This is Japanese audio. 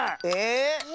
え？